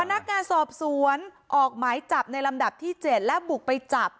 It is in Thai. พนักงานสอบสวนออกหมายจับในลำดับที่๗และบุกไปจับ